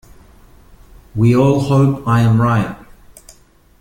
We all hope I am right.